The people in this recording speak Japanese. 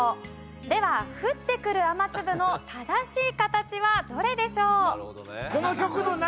では降ってくる雨粒の正しい形はどれでしょう？